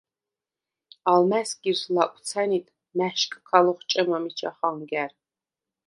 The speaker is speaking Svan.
ალმა̈სგირს ლაკვცა̈ნიდ მა̈შკქა ლოხჭემა მიჩა ხანგა̈რ.